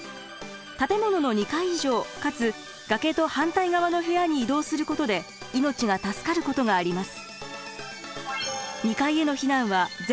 建物の２階以上かつ崖と反対側の部屋に移動することで命が助かることがあります。